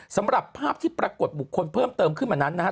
สำหรับภาพที่ปรากฏบุคคลเพิ่มเติมขึ้นมานั้นนะครับ